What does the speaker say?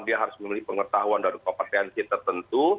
dia harus memiliki pengetahuan dan kompetensi tertentu